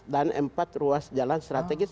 dan empat ruas jalan strategis